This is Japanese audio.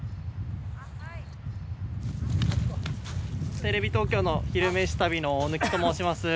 テレビ東京の「昼めし旅」の大貫と申します。